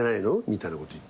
みたいなことを。